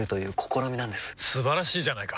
素晴らしいじゃないか！